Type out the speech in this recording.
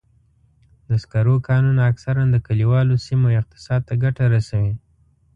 د سکرو کانونه اکثراً د کلیوالو سیمو اقتصاد ته ګټه رسوي.